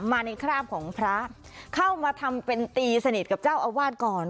มาในคราบของพระเข้ามาทำเป็นตีสนิทกับเจ้าอาวาสก่อน